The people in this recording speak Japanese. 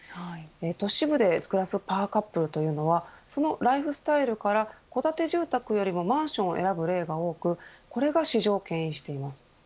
都市部で暮らすパワーカップルというのはそのライフスタイルから戸建て住宅よりもマンションを選ぶ例が多くこれが市場をけん引しています。